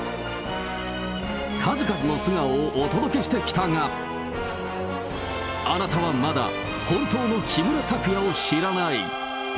数々の素顔をお届けしてきたが、あなたはまだ、本当の木村拓哉を知らない。